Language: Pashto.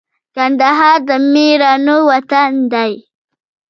کندهار د مېړنو وطن دی